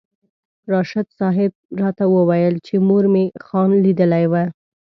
راشد صاحب راته وویل چې مور مې خان لیدلی و.